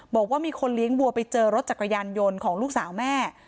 บอกว่ามีคนเลี้ยงวัวไปเจอรถจักรยานยนต์ของลูกสาวแม่